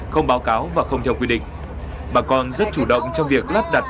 không báo cáo và không theo quy định bà con rất chủ động trong việc lắp đặt